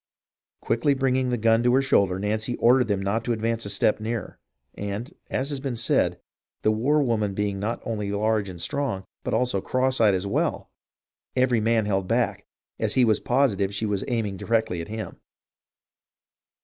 Quickly bringing the gun to her shoulder, Nancy ordered them not to advance a step nearer, and, as has been said, the war woman being not only large and strong, but also cross eyed as well, every man held back, as he was positive she was aiming directly at him.